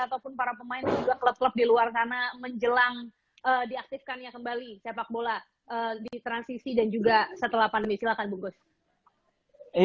ataupun para pemain dan juga klub klub di luar sana menjelang diaktifkannya kembali sepak bola di transisi dan juga setelah pandemi silakan bungkus